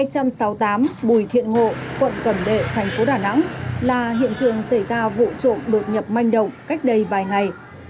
trong năm một nghìn chín trăm sáu mươi tám bùi thiện ngộ quận cẩm đệ thành phố đà nẵng là hiện trường xảy ra vụ trộm đột nhập manh động cách đây vài ngày